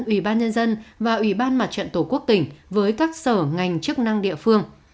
ubnd và ubnd tp hcm với các sở ngành chức năng địa phương